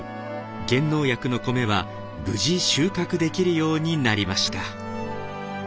減農薬の米は無事収穫できるようになりました。